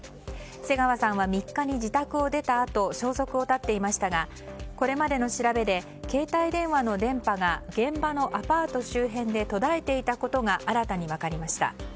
瀬川さんは３日に自宅を出たあと消息を絶っていましたがこれまでの調べで携帯電話の電波が現場のアパート周辺で途絶えていたことが新たに分かりました。